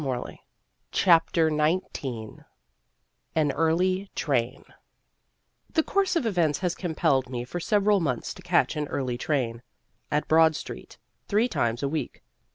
PHILADELPHIA AN EARLY TRAIN The course of events has compelled me for several months to catch an early train at Broad Street three times a week.